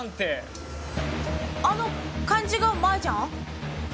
あの漢字がマージャン？